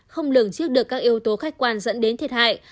không lường trước được các yếu tố khách quan dẫn đến thiệt hại